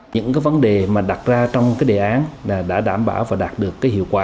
những vấn đề mà đặt ra trong đề án đã đảm bảo và đạt được